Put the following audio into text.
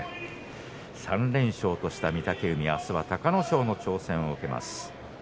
３連勝とした御嶽海あすは隆の勝の挑戦を受けます。